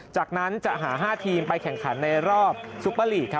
จากนั้นจะหา๕ทีมไปแข่งขันในรอบซุปเปอร์ลีก